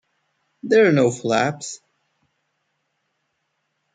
There are no flaps.